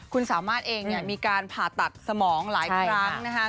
คุณสามารถเองเนี่ยมีการผ่าตัดสมองหลายครั้งนะคะ